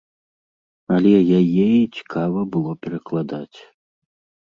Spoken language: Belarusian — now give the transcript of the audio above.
Але яе і цікава было перакладаць.